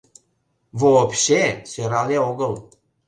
Вообще, сӧрале огыл.